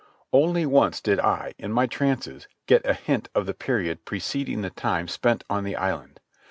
Only once did I, in my trances, get a hint of the period preceding the time spent on the island.